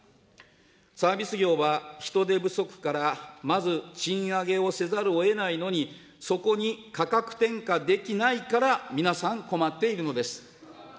サービス業は人手不足からまず賃上げをせざるをえないのに、そこに価格転嫁できないから皆さん困っているのです。